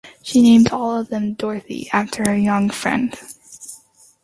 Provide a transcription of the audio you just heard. She names all of them Dorothy after her young friend.